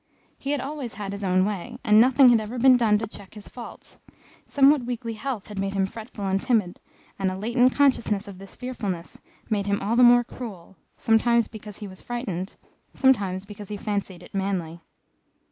He had always had his own way, and nothing had ever been done to check his faults; somewhat weakly health had made him fretful and timid; and a latent consciousness of this fearfulness made him all the more cruel, sometimes because he was frightened, sometimes because he fancied it manly.